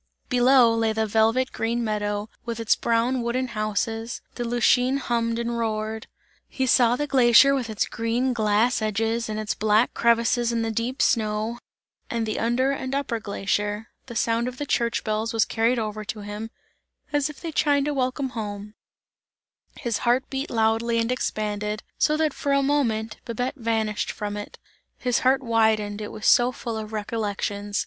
Below lay the velvet green meadow, with its brown wooden houses, the Lütschine hummed and roared. He saw the glacier with its green glass edges and its black crevices in the deep snow, and the under and upper glacier. The sound of the church bells was carried over to him, as if they chimed a welcome home; his heart beat loudly and expanded, so, that for a moment, Babette vanished from it; his heart widened, it was so full of recollections.